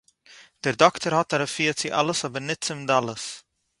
דער דאָקטער האָט אַ רפֿואה צו אַלעס, אָבער ניט צום דלות.